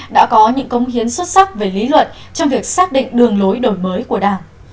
đã có những công hiến xuất sắc về lý luận trong việc xác định đường lối đổi mới của đảng